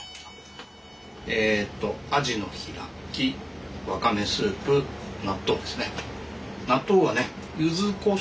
えっとアジのひらきわかめスープ納豆ですね。